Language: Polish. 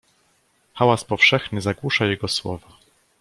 "Hałas powszechny zagłusza jego słowa."